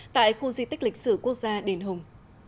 tại khu di tích lịch sử quốc gia đền hùng